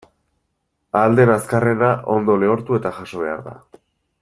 Ahal den azkarrena ondo lehortu eta jaso behar da.